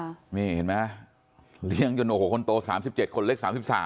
นี่เห็นไหมเลี้ยงจนโอ้โหคนโต๓๗คนเล็ก๓๓